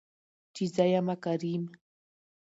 چې زه يمه کريم .